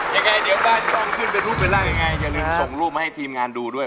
ยังไงเดี๋ยวบ้านตอนขึ้นเป็นรูปเป็นร่างยังไงอย่าลืมส่งรูปมาให้ทีมงานดูด้วย